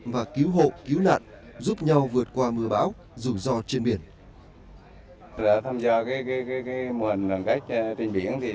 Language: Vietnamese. và cứu hộ cứu nạn giúp nhau vượt qua mưa bão rủi ro trên biển